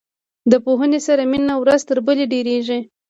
د پوهنې سره مینه ورځ تر بلې ډیریږي.